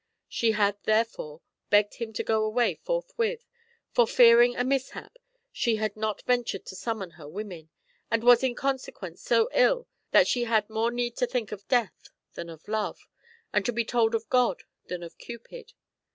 She had therefore begged him to go away forthwith, for fearing a mishap, she had not ventured to summon her women, and was in consequence so ill that she had more need to think of death than of love, and to be told of God than of Cupid.